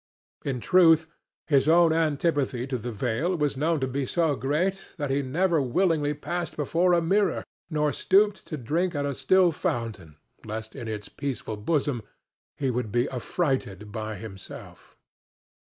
In truth, his own antipathy to the veil was known to be so great that he never willingly passed before a mirror nor stooped to drink at a still fountain lest in its peaceful bosom he should be affrighted by himself.